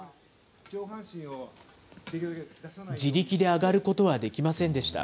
自力で上がることはできませんでした。